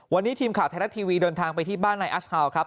วันนี้ทีมข่าวไทยรัฐทีวีเดินทางไปที่บ้านนายอัสฮาวครับ